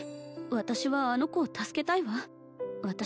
私はあの子を助けたいわ私